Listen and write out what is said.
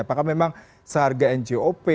apakah memang seharga ngop